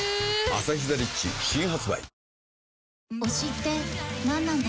「アサヒザ・リッチ」新発売